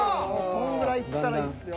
こんぐらいいったらいいですよ。